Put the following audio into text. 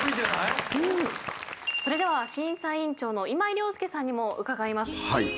それでは審査委員長の今井了介さんにも伺います。